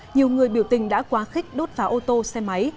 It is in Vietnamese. nhiều người biểu tình đã quá khích đốt phá ô tô xe máy